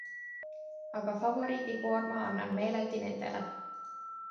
Aga favoriidikoorma annan meeleldi nendele.